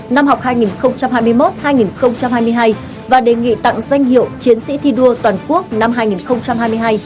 năm học hai nghìn hai mươi một hai nghìn hai mươi hai và đề nghị tặng danh hiệu chiến sĩ thi đua toàn quốc năm hai nghìn hai mươi hai